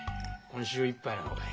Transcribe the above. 今週いっぱいなのがい。